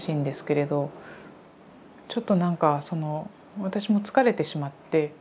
ちょっとなんかその私も疲れてしまって。